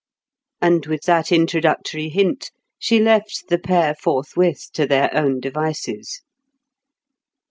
And with that introductory hint, she left the pair forthwith to their own devices.